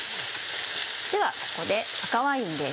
ではここで赤ワインです。